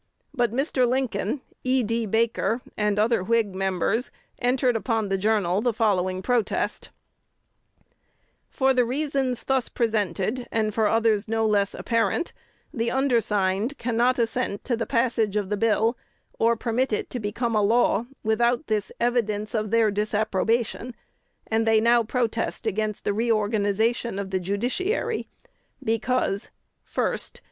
But Mr. Lincoln, E. D. Baker, and other Whig members, entered upon the journal the following protest: "For the reasons thus presented, and for others no less apparent, the undersigned cannot assent to the passage of the bill, or permit it to become a law without this evidence of their disapprobation; and they now protest against the re organization of the judiciary: Because, "1st.